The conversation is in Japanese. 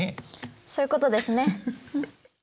そういうことですね。